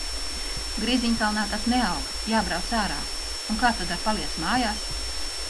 Grīziņkalnā tas neaug, jābrauc ārā - un kā tad ar paliec mājās?